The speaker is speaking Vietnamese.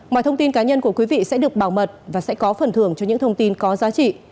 mọi thông tin cá nhân của quý vị sẽ được bảo mật và sẽ có phần thưởng cho những thông tin có giá trị